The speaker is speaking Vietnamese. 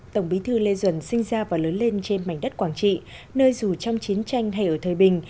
tổng bí thư lê duẩn sinh ra và lớn lên trên mảnh đất quảng trị nơi dù trong chiến tranh hay ở thời bình